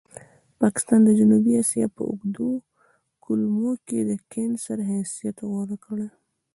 پاکستان د جنوبي اسیا په اوږدو کولمو کې د کېنسر حیثیت غوره کړی.